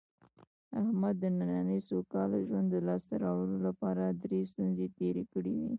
احمد د نننۍ سوکاله ژوند د لاسته راوړلو لپاره ډېرې ستونزې تېرې کړې دي.